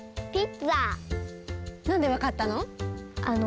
なんでわかったの？